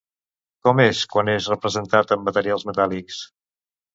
Com és, quan és representat amb materials metàl·lics?